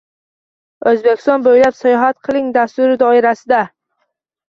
“O‘zbekiston bo‘ylab sayohat qiling” dasturi doirasida